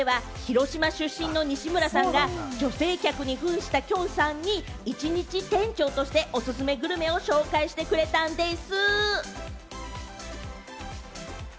イベントでは広島出身の西村さんが女性客に扮した、きょんさんに、一日店長としておすすめグルメを紹介してくれたんでぃす。